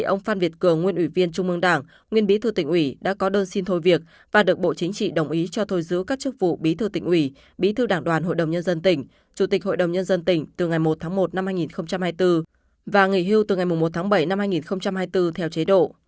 ông phan việt cường nguyên ủy viên trung ương đảng nguyên bí thư tỉnh ủy đã có đơn xin thôi việc và được bộ chính trị đồng ý cho thôi giữ các chức vụ bí thư tỉnh ủy bí thư đảng đoàn hội đồng nhân dân tỉnh chủ tịch hội đồng nhân dân tỉnh từ ngày một tháng một năm hai nghìn hai mươi bốn và nghỉ hưu từ ngày một tháng bảy năm hai nghìn hai mươi bốn theo chế độ